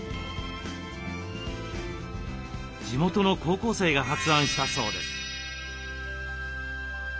地元の高校生が発案したそうです。